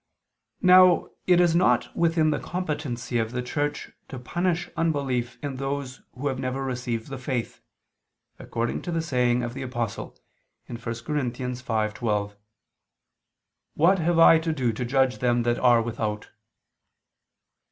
Now it is not within the competency of the Church to punish unbelief in those who have never received the faith, according to the saying of the Apostle (1 Cor. 5:12): "What have I to do to judge them that are without?"